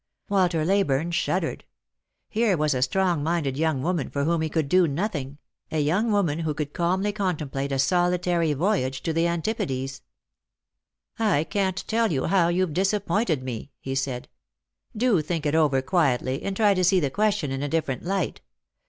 Walter Leyburne shuddered. Here was a strong minded young woman for whom he could do nothing — a young woman who could calmly contemplate a solitary voyage to the Antipodes. " I can't tell you how you've disappointed me," he said. " Do think it over quietly, and try to see the question in a different light.